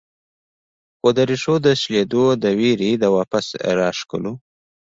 خو د ريښو د شلېدو د وېرې د واپس راښکلو